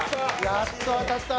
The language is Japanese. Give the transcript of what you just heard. やっと当たった。